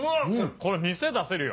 これ店出せるよ。